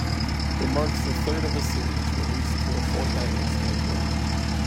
It marks the third of the series released to a fortnightly schedule.